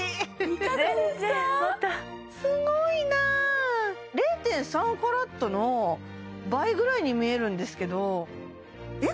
全然またすごいな０．３ｃｔの倍ぐらいに見えるんですけどえっ